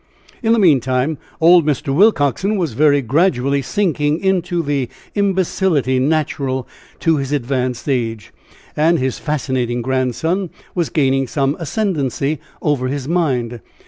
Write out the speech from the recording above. In the meantime old Mr. Willcoxen was very gradually sinking into the imbecility natural to his advanced age; and his fascinating grandson was gaining some ascendancy over his mind.